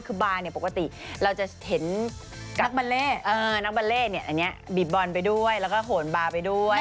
คือบาร์เนี่ยปกติเราจะเห็นนักบาเล่อันนี้บีบบอลไปด้วยแล้วก็โหนบาร์ไปด้วย